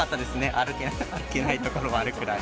歩けない所もあるくらい。